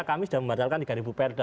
kami sudah membatalkan tiga perda